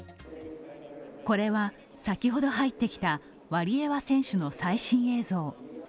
これは先ほど入ってきたワリエワ選手の最新映像。